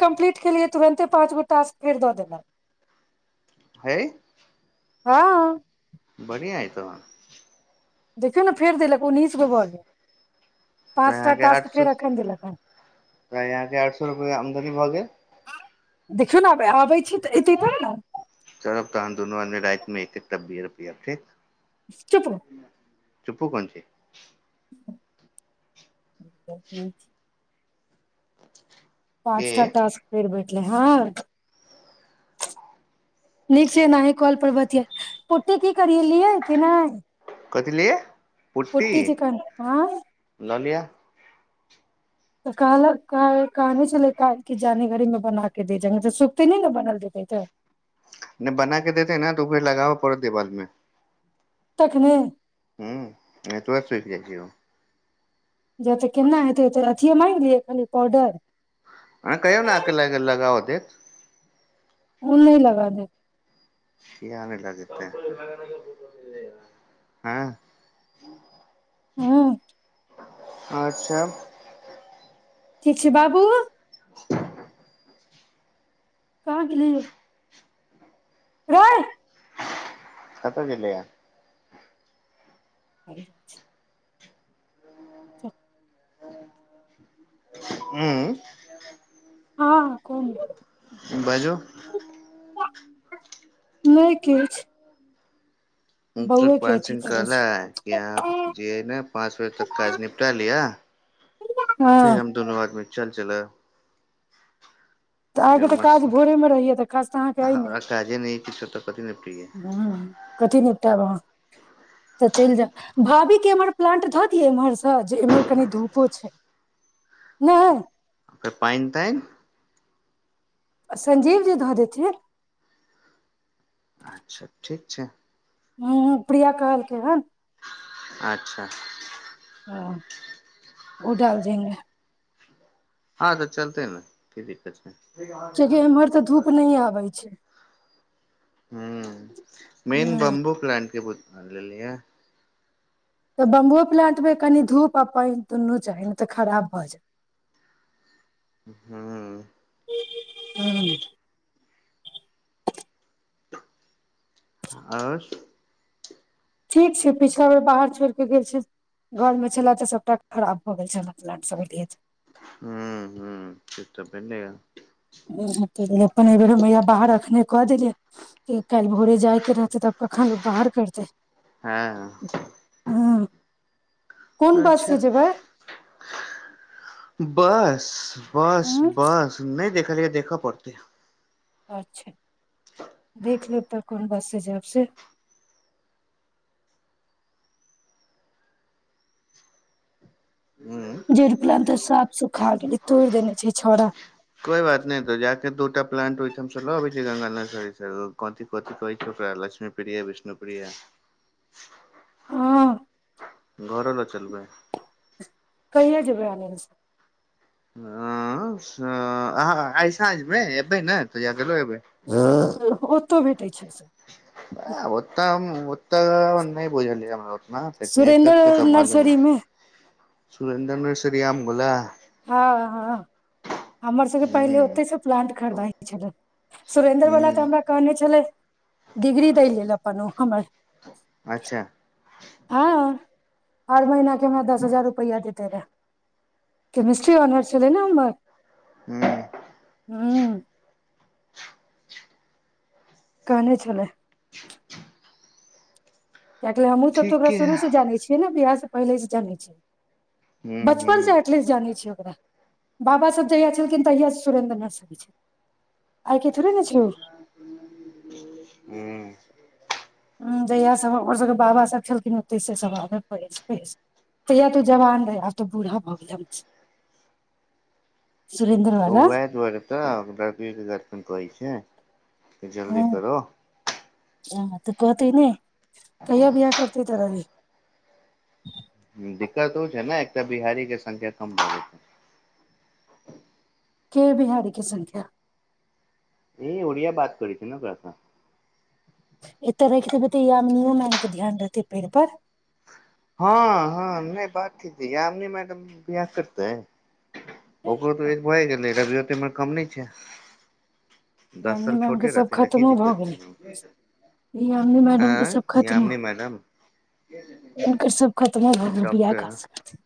Complaint के लए तुरन्ते पाँच गो टास्क के कऐ देलक हँ बढ़िआ ह तो देखियौ ने फेर देलक उन्नैस गो भऽ गेल तऽ पाँच टा यहाँके टास्क आठ फेर सए एखन देलक हन तऽ यहाँके आठ सए रुपैआ आमदनी भऽ गेल देखियौ नेब आबै छी तऽ एतै पर ने चलब तहन दुनू आदमी राकमे एक एकटा बीप ठीक चुप चुप कोन चीज [unintelligible] छै के पाँचटा टास्क फेर बैन हँ नीक छैनाह कल पर ब पुटटी की करियियै कि नहि कथ लियै पुटी चिकन आँ लऽ लिअ तऽ कहलक कहान छलै कि जानीगरीीमे बना क दे जंग तऽ सुप्त नहि ने बनल देतै तऽ नहि बना के देते ने तऽ ओ फेर लगाबऽ पड़त देवाल तखने ह तो सुख जाइ छ या त केना हेतय मंगि दियै ऑर्डर अ कहि ल लगावो देत वहिं लगा देलिए किया ने लगते ऐं हँ अच्छा ठीक छै बाबू [unintelligible] कहाँ गेलिलेय रेय कतऽ गेल या बढ़ छै च हुँ हँ कोन बाजू नहि किछु मतलब बौए के बात अथी चीत करै कहलाै छै कि यहाँ हँ जे ने पाँच बजे तक काज निपटा लिया फिर हम दुनू आदमी चल चल तऽ आइके तऽ काज भोरे मे रहैय तऽ काज तऽ अहाँके अ ने हमरा काजे नहि किछो तऽ कथी निपटियै ह कथी नहि तब तऽ चलि जाउ भाभी के एमहर प्लांट धऽ दिय इम्हर से जे इम्हर कनि धूपो छै ने त पइन तन संजीव जी धऽ देथिन अच्छा ठीक छै ह प्रिया कहलकै हन अच्छा हँ ओ डाल देंगे हँ तऽ चलतेै ने को दिक्कत नहि कआकि एम्हर तऽ धूप नहि आबै छै हुँ मेन हँ बम्बू प्लानंट के बुत लेलिय तऽ बम्बओ प्लाानंटमे कनि धूप आ पानि दुनू चाही नहि तऽ खराब भऽ जाय हुँ ह [inaudible] आओर ठीक छै पिछला बेर बाहर छोड़ कऽ गेल छै घर मे छलए तऽ सभटा खराब भऽ गेल छलिए हुँ हुँ से तऽ पेने ग तऽ अपन एहि बेर मैया बाहर अखने कऽ देलियै कि काल्हि भोरे जाय के रहते तब कखन लोक बाहर करते हँ ह कोन बस अच्छा से जेबै बस बस ह बस नहि देख देखऽ पड़तै अच्छा देख लेब तऽ कोन बससँ जायब से हूँ जेड़प्लान त साफ सुखा गेलै तोड़ि देने छै छौड़ा कोई बात नहि तो जााके दूटा प्लांट ओहिठाम लऽ अबै छै गंगा नर्सरी क क कह छैकरा लक्ष्मी प्रिय विष्णुपिय हँ घर ल चलबै कहिए जेबै अहाँ से हँ आइ साँझ मे एबै ने त फेरो अबै ओतो भेटैत छै सब ओतम तऽन नहिइ प लियरा त नहि सुरेन्द्र तऽ मधमे नर्सरी मे सुरेन्द्र श्रआामगुलला हँ हँ हमर सबके पहिले हूं ओतेसँ प्लांट खरीदा हइ छलै सुरेन्द्र हूं बला तऽ हमरा कहने छलै डिग्री दै लेल अपन ओ हमर अच्छा हँ हर महिना हमरा दस हजार रुपैआ देते रहै केमिस्ट्री होनर्स छलै नए हमर हूं हू कहने छलै या ले हमहु सब त ओकरा ठीके शुरू यै से जान छियै ने बिहार त पहिले से जानै छै हूं बचपन हूं से एटलीस्ट जानै छियै ओकरा बाबासभ जहिया छलखिन तहियास सुरेन्द्र नाथ जी छल हू हूं जहिया सब हमर सबके बाबा सब छलखिन ओते से सब तहिय तो जवान रहे आब तऽ बूढ़ा भऽ गेल सुरेन्द्र वाला ओएह दुआरे तऽ कहै छै त जल्दी करो आ तऽ कहतेै नहि कहिया वियाह करते तोरा लेल [unintelligible] ह दिक्कत ओ छै ने एक तऽ बिहारी के ससंख्या कम लै छै के बिहारी की संख्या ह ओड़िया बात करै छै ने कस एतऽ रख देबै तऽ यामिनीयो मैम के ध्यान रहतै पेड़ पर हँ हँ नहि बात ठ ह य नहि मैडम बियाह करते है ओकर त एक भ गेलै ब हम नहि जायब दस यामिनी साल मैम के छोटे सब रहते ने की खत्मो भऽ दिक्कत गेलै छै यामिनी मैडम के सब ह खत्मो यामनी मैडम ओ सब खत्मो भऽ गेल बियाह डॉक्टर क स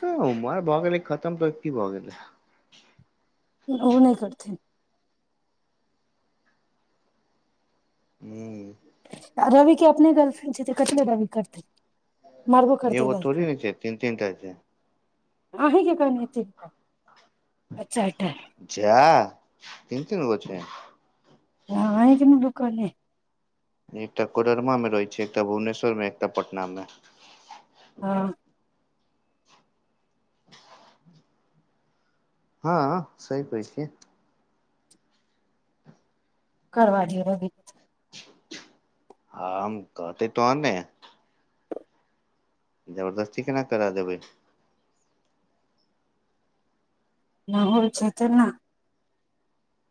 ह उमर भऽ गेलै खतम तऽ की भऽ गेलै ओ नहि करथिन हू रवि के अपने गर्लफ्रेंड छै तऽ कथल रवि करतै मारबो करतै एगो थोड़े होय छै तीन तीन टा छै अन्हि कें कहने आ चारि टा जाय तीन तीन गो अछा [inaudible] आँ अन्हि कें ने दुकाने एकटा कोडरमा रहैत छै एकटा भुवनेश्वरमे एकटा पटनामे हँ हँ सही कहै छ कर दिय र बि [inaudible] आ हम कहते तोहन ने जबरदस्ती केना करा देबै नहि होइ छै तेना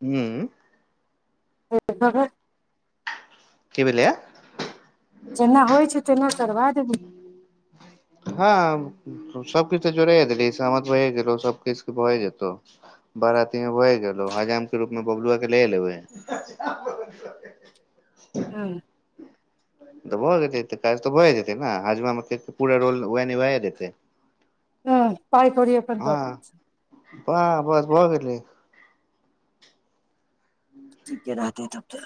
हुँ ह ह की भेले या जेना होइ छै तना करबा देब हँ सबकछु तऽ जोड़ देलीै सामत भए गेलो सबकछु के भए जतौ बारतीी मे भ गेलो हजाम के रूप मे बबलुआ के ले लेबे हुँ तऽ भऽ जेतै तऽ काज तऽ भए जेतै ने हजमाामे पूरा रोल ओह भए जेतै हुँ पाइ कौरि अपन द वाह बस भऽ गेलै ठीके रहत है तब त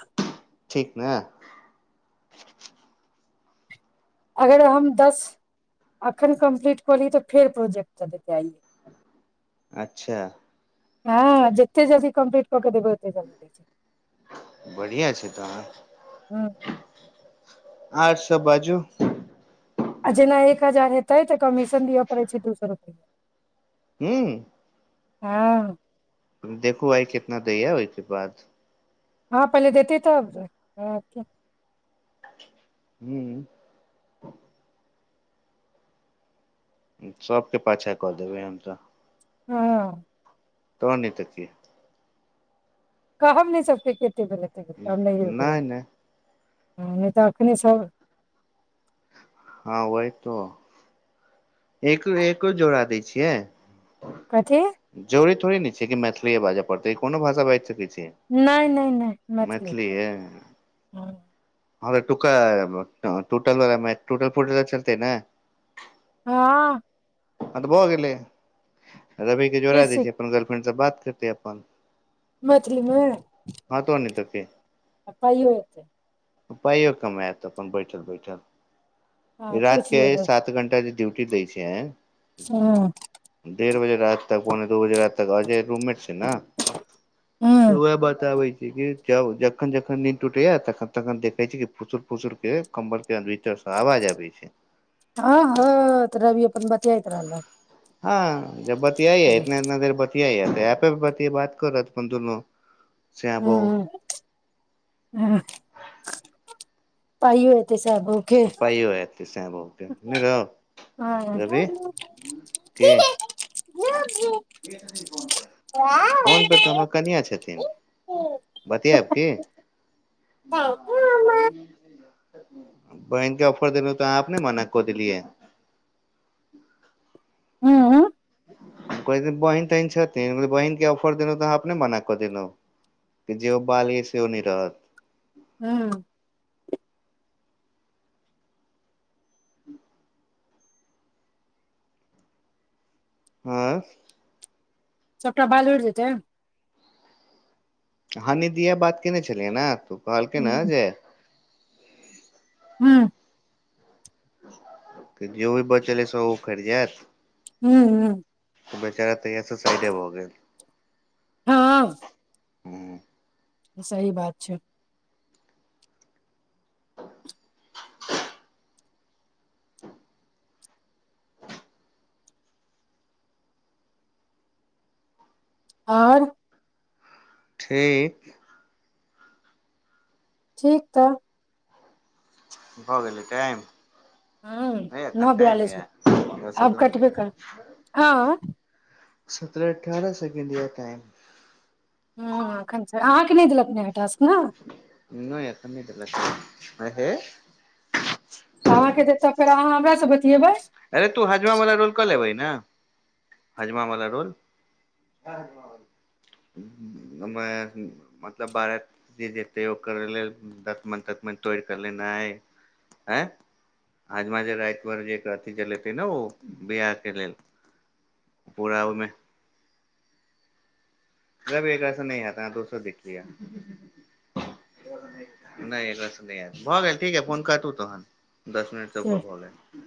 ठीक ने अगर हम दस एखन कम्प्लीट कऽलीै तऽ फेर प्रोजेक्टऽ देते आइयए अच्छा हँ जेतेक जल्दी कम्प्पीलट क देब ओत बढ़िआँ छै तऽ हूँ आर सब बाजू आ जेना एक हजार हेतै तऽ कमीशन दिअ पड़ैत छै दू सए रुपैआ हुँ हँ देखू भइ कितना दै य ओहिके बाद हँ पहिले देतीेै तऽ हुँ सभके पाछाँ कऽ देबै हम तऽ हँ कानैत ऐतय कहब नहि सब के के ल गेल नहि नहि नहि तऽ एखन सभ हँ वहि तो एक एको जोड़ा दै छियै कथी थोे ने छै कि मैथिलीए बाजऽ पतै को भष बाज सकै छै नहि नहि नहि मैथिली ह हर तूका टोटल वला टूटल फुट चलतै न हँ आ त भ गेलय रबी के जोड़ा द छै अपन गर्लफ्रेंड सब बात करते अपन मैथिलीमे हँ [unintelligible] आ पाइयओ अयतै पाइयो कमात अपन बैठल बैठल हँ रात पूछि के लेबै सात घंटा ड्यूटी की दैय छे हँ ऐं डढ़ बजे रात तक पौने दू बजे रात तक आज रूममेट छै ने तऽ हँ उएह बात आबै छै जब जखन जखन नींद टूटैया तखन तखन देखै छी कि फुसुर फुसुर के कम्बल केतर से आवाज अबै छै हँ हँ त रवी अपन बात हँ जब बतियाइ है हूँ इतना इतना देर बतिया ह तऽ यहपे ब से बात करत अपन दुनू सैं हुँ बहु हँ आओर इ ऐतेय पाइ आयत सेंआ बौह कें न रौ हँ ह रबी की फ फोनपे तऽ हमर कनिआ छथिन बतियाब की न ब बहिन के ऑफर देलहु तऽ अहाँ अपने मना कअ देलीय हुँ कहैत छथि बहन तहीन छथिन बहिीनके ऑफर देलहुँ तऽ अहाँ अपने बना कऽ देलहुँ कि जे ओ बालै सेहो नहि रहत हुँ आँ सबटा बाल उड़ि जेतै हानि दिया बात केने छलिए न ह कहलकिन्ह हन जे हॅं जेहो बचल हइ सेहो उखरि जाएत। हूॅं, हूॅं बेचारा तहियास साइडे भऽ गेल। हँ हूॅं सही बात छै आओर? ठीक ठीक तऽ भऽ गेलै टाइम? नाइ नहि नो एखन टाइम बियालिस य हमरा [unintelligible] आब सत्रह कटबे कर मिनट हँ सत्रह अठारह सेकेंड य टाइम हँ एखन छैय अहाँ क नहि देलक नया टाक्स नइ एखन नहि देलैथ ह आ हे तऽ अहाँके देत तऽ फेर अहाँ हमरासँ अरे तू हाजमा वला रोल क लेबैन हजमा वाला रोल ओहिमे मतलब बाराती जेतै ओकर लेल दतमैन ततमैन तोइड़ कऽ लेनाई आय हजमा जे राति भर जे करतै अथि जलेते न ओ बियाह के लेल पूरा ओमे जब एकरासँ नहि होयत अह दोसर देखि लिया नहि एकरास नहि हत भऽ गेल ठीक ह फोन करतू तोहन दश मिनट सँ उपर बतियेबै भऽ गैल